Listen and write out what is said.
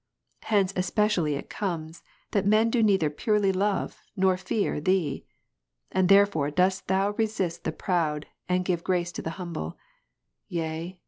Hence especially it comes, that men do neither Jam. 4, purely love, nor fear Thee. And therefore dost Thou resist the proud, and givest grace to the humble : yea.